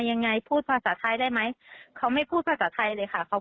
ยังไงพูดภาษาไทยได้ไหมเขาไม่พูดภาษาไทยเลยค่ะเขา